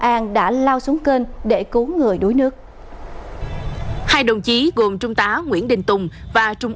an đã lao xuống kênh để cứu người đuối nước hai đồng chí gồm trung tá nguyễn đình tùng và trung